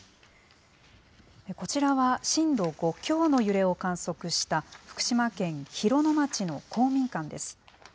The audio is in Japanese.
こちらは、震度５強の揺れを観測した、福島県広野町の公民館です。